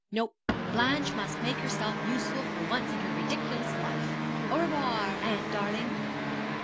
No: Blanche must make herself useful for once in her ridiculous life. Au revoir, auntie darling.